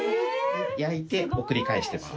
焼いて送り返してもらう。